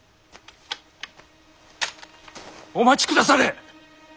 お待ちくだされ！